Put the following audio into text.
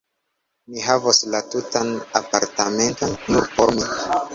Mi havos la tutan apartamenton, nur por mi!